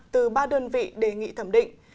từ ba đơn vị đề nghị thẩm định